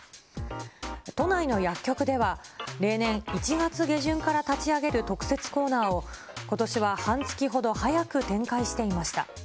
都内の薬局では、例年、１月下旬から立ち上げる特設コーナーを、ことしは半月ほど早く展開していました。